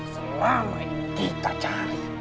selama ini kita cari